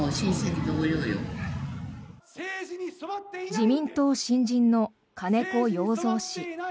自民党新人の金子容三氏。